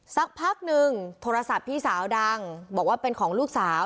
สักพักหนึ่งโทรศัพท์พี่สาวดังบอกว่าเป็นของลูกสาว